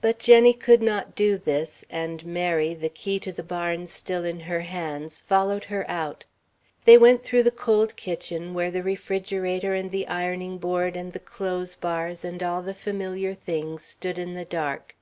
But Jenny could not do this, and Mary, the key to the barn still in her hands, followed her out. They went through the cold kitchen where the refrigerator and the ironing board and the clothes bars and all the familiar things stood in the dark.